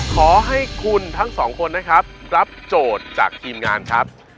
ขอให้คุณทั้งสองคนนะครับรับโจทย์จากทีมงานครับ